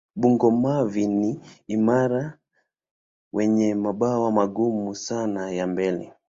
Bungo-mavi ni imara wenye mabawa magumu sana ya mbele.